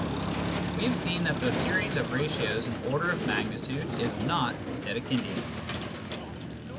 We have seen that the series of ratios in order of magnitude is not Dedekindian.